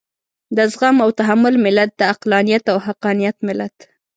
د زغم او تحمل ملت، د عقلانيت او حقانيت ملت.